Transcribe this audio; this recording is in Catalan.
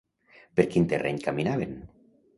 Per quin terreny caminaven?